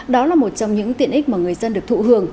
đó là một trong những tiện ích mà người dân được thụ hưởng